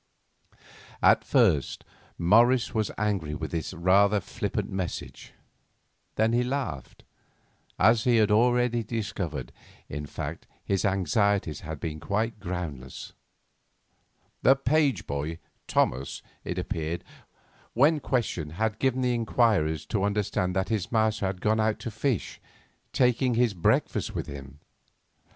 At first Morris was angry with this rather flippant message; then he laughed. As he had already discovered, in fact, his anxieties had been quite groundless. The page boy, Thomas, it appeared, when questioned, had given the inquirers to understand that his master had gone out to fish, taking his breakfast with him.